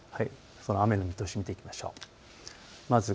その雨の見通しを見ていきましょう。